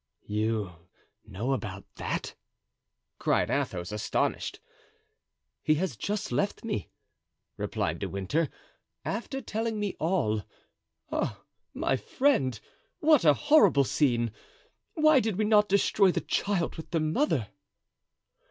"You know about that?" cried Athos, astonished. "He has just left me," replied De Winter, "after telling me all. Ah! my friend! what a horrible scene! Why did we not destroy the child with the mother?"